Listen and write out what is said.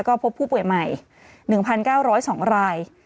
ก็พบผู้ป่วยใหม่๑๙๐๒ราย